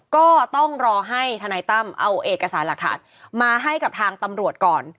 ก็ต้องรอให้ธนายตั้มเอาเอกสารหลักฐานมาให้กับทางตำรวจก่อน